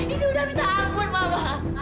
indi udah bisa ampun mama